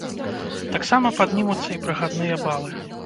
Таксама паднімуцца і прахадныя балы.